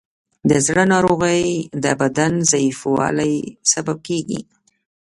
د زړه ناروغۍ د بدن ضعیفوالی سبب کېږي.